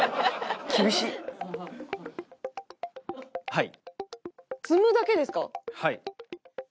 はい。